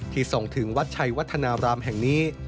ส่งถึงวัดชัยวัฒนารามแห่งนี้